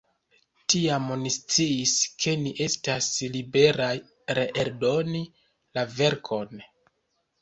Tiam ni sciis ke ni estas liberaj reeldoni la verkon.